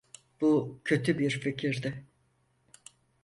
Bu kötü bir fikirdi.